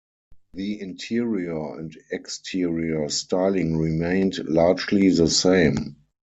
The interior and exterior styling remained largely the same.